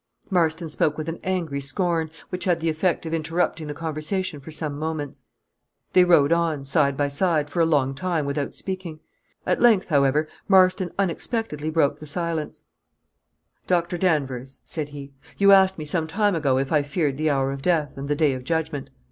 Marston spoke with an angry scorn, which had the effect of interrupting the conversation for some moments. They rode on, side by side, for a long time, without speaking. At length, however, Marston unexpectedly broke the silence "Doctor Danvers," said he, "you asked me some time ago if I feared the hour of death, and the Day of Judgment.